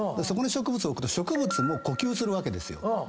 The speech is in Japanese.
そこに植物置くと植物も呼吸するわけですよ。